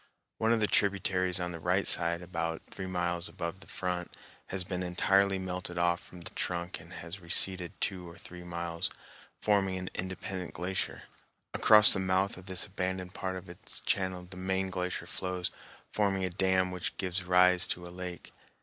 One of the tributaries on the right side, about three miles above the front, has been entirely melted off from the trunk and has receded two or three miles, forming an independent glacier. Across the mouth of this abandoned part of its channel the main glacier flows, forming a dam which gives rise to a lake.